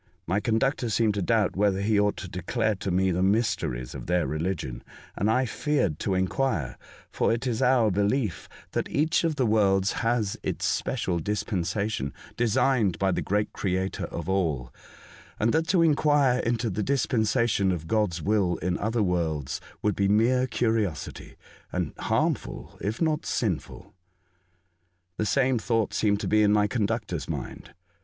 My conductor seemed to doubt whether he ought to declare to me the mysteries of their religion, and I feared to enquire, for it is our belief that The Ocean Capital, 137 each of the worlds has its special dispensation designed by the great Creator of all, and that to enquire into the dispensation of God's will in other worlds would be mere curiosity, and harmful if not sinful. The same thought seemed to be in my conductor's mind.